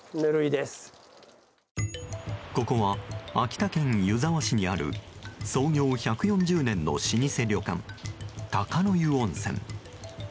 ここは秋田県湯沢市にある創業１４０年の老舗旅館鷹の湯温泉。